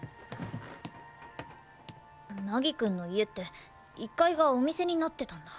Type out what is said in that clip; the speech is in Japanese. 凪くんの家って１階がお店になってたんだ。